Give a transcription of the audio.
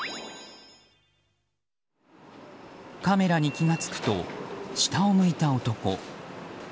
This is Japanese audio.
カメラに気が付くと下を向いた男。